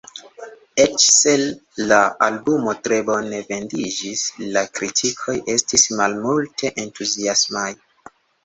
Eĉ se la albumo tre bone vendiĝis, la kritikoj estis malmulte entuziasmaj.